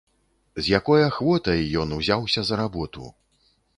З якой ахвотай ён узяўся за работу!